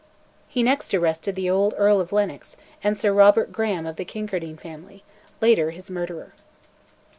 He next arrested the old Earl of Lennox, and Sir Robert Graham of the Kincardine family, later his murderer.